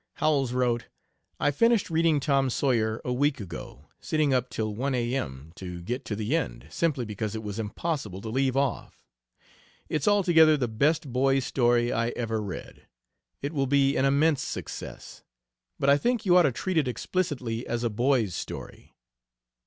Howells wrote: "I finished reading Tom Sawyer a week ago, sitting up till one A.M. to get to the end, simply because it was impossible to leave off. It's altogether the best boy's story I ever read. It will be an immense success. But I think you ought to treat it explicitly as a boy's story.